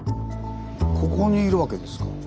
ここにいるわけですか。